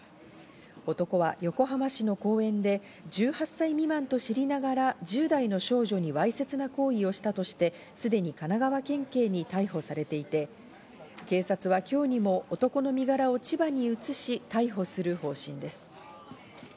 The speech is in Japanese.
男は横浜市の公園で１８歳未満と知りながら１０代の少女にわいせつな行為をしたとして、すでに神奈川県警に逮捕されていて、警察は今日にも男の身柄を千葉に移し逮捕する方針です。